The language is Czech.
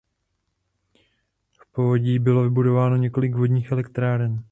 V povodí bylo vybudováno několik vodních elektráren.